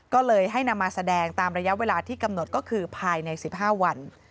ก็เลยให้นำมาแสดงตามระยะเวลาที่กำหนดก็คือภายใน๑๕วัน